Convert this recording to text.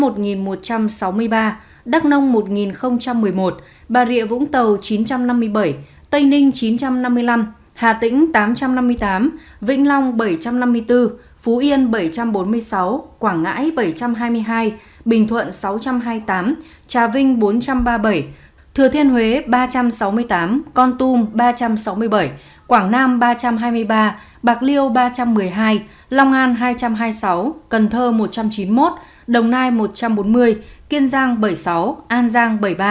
tây ninh một một mươi một bà rịa vũng tàu chín năm mươi bảy tây ninh chín năm mươi năm hà tĩnh tám năm mươi tám vĩnh long bảy năm mươi bốn phú yên bảy bốn mươi sáu quảng ngãi bảy hai mươi hai bình thuận sáu hai mươi tám trà vinh bốn ba mươi bảy thừa thiên huế ba sáu mươi tám con tum ba sáu mươi bảy quảng nam ba hai mươi ba bạc liêu ba một mươi hai long an hai hai mươi sáu cần thơ một chín mươi một đồng nai một bốn mươi kiên giang bảy sáu an giang một sáu mươi